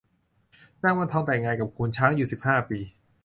นางวันทองแต่งงานกับขุนช้างอยู่สิบห้าปี